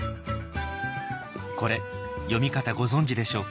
これ読み方ご存じでしょうか？